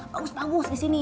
bagus bagus di sini